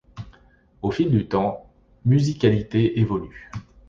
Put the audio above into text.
Au fil du temps, musiQualité évolue.